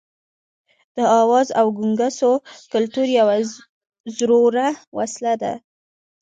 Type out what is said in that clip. د اوازو او ګونګوسو کلتور یوه زوروره وسله ده.